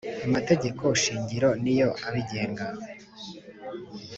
amategeko shingiro niyo abigenga